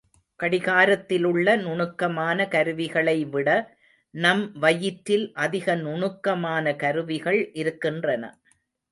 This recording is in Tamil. கடிகாரத்திலுள்ள நுணுக்கமான கருவிகளை விட, நம் வயிற்றில் அதிக நுணுக்கமான கருவிகள் இருக்கின்றன.